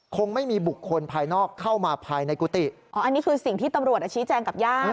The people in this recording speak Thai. คงไม่มีบุคคลภายนอกเข้ามาภายในกุฏิอ๋ออันนี้คือสิ่งที่ตำรวจชี้แจงกับญาติ